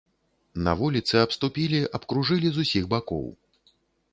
На вуліцы абступілі, абкружылі з усіх бакоў.